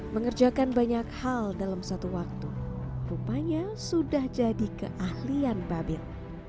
mengerjakan banyak hal dalam satu waktu rupanya sudah jadi keahlian babil